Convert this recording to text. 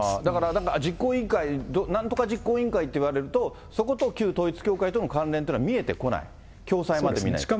だから、実行委員会、なんとか実行委員会と、そこと旧統一教会との関連というのは見えてこない、共催まで見ないと。